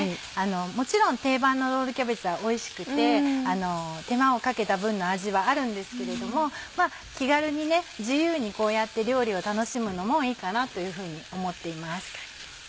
もちろん定番のロールキャベツはおいしくて手間をかけた分の味はあるんですけれども気軽に自由にこうやって料理を楽しむのもいいかなというふうに思っています。